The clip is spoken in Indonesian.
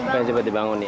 pengen cepat dibangun